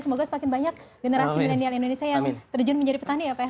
semoga semakin banyak generasi milenial indonesia yang terjun menjadi petani ya pak ya